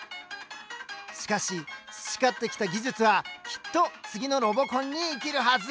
しかし培ってきた技術はきっと次のロボコンに生きるはず！